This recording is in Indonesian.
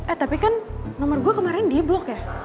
eh tapi kan nomer gue kemarin dia blok ya